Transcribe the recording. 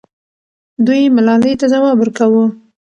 دوی ملالۍ ته ځواب ورکاوه.